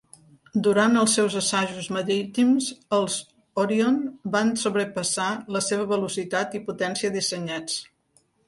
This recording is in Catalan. Durant els seus assajos marítims, els "Orion" van sobrepassar la seva velocitat i potència dissenyats.